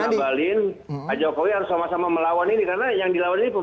bang adi pak jokowi harus sama sama melawan ini karena yang dikalahkan adalah jetrus